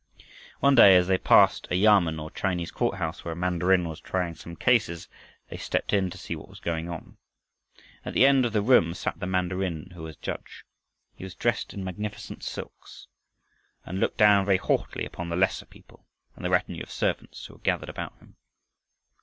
One day, as they passed a yamen or Chinese court house where a mandarin was trying some cases, they stepped in to see what was going on. At one end of the room sat the mandarin who was judge. He was dressed in magnificent silks and looked down very haughtily upon the lesser people and the retinue of servants who were gathered about him.